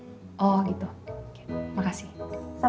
ya udah kalau gitu kita ke kantin aja sekarang